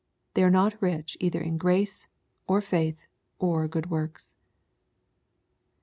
They are not rich '^itJ^er in grace, or faith, or good works.